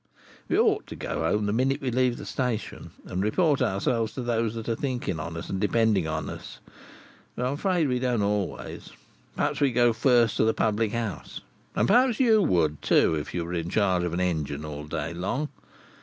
We ought to go home the minute we leave the station, and report ourselves to those that are thinking on us and depending on us; but I'm afraid we don't always. Perhaps we go first to the public house, and perhaps you would, too, if you were in charge of a engine all day long.